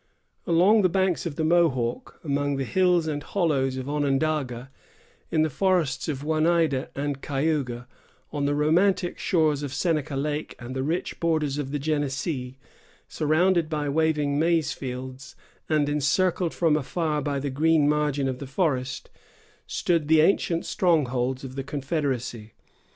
Along the banks of the Mohawk, among the hills and hollows of Onondaga, in the forests of Oneida and Cayuga, on the romantic shores of Seneca Lake and the rich borders of the Genesee, surrounded by waving maize fields, and encircled from afar by the green margin of the forest, stood the ancient strongholds of the confederacy.